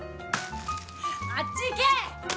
あっち行け！